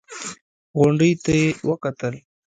غونډۍ ته يې وکتل.